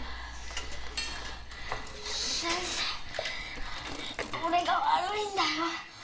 先生俺が悪いんだよ。